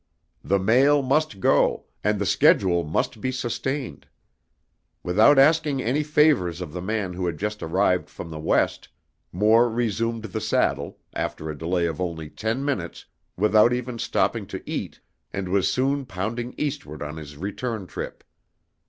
The mail must go, and the schedule must be sustained. Without asking any favors of the man who had just arrived from the West, Moore resumed the saddle, after a delay of only ten minutes, without even stopping to eat, and was soon pounding eastward on his return trip.